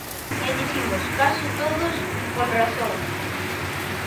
E dicimos case todos con razón.